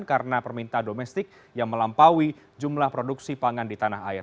karena perminta domestik yang melampaui jumlah produksi pangan di tanah air